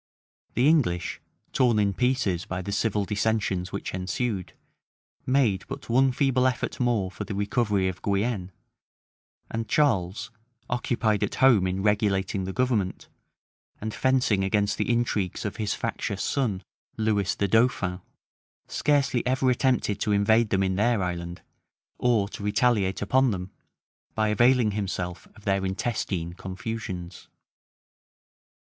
The English, torn in pieces by the civil dissensions which ensued, made but one feeble effort more for the recovery of Guienne, and Charles, occupied at home in regulating the government, and fencing against the intrigues of his factious son, Lewis the dauphin, scarcely ever attempted to invade them in their island, or to retaliate upon them, by availing himself of their intestine confusions.